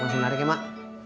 aja menarik ya mak